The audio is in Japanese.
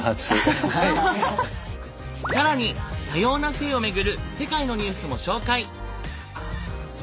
更に多様な性をめぐる世界のニュースも紹介。